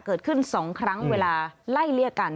เกิดขึ้น๒ครั้งเวลาไล่เลี่ยกัน